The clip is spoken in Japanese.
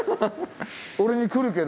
俺に来るけど。